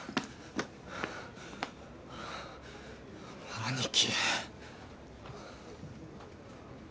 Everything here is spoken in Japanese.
兄貴。